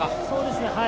そうですね。